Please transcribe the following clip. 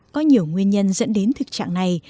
có nhiều nguyên nhân dẫn đến thực trạng này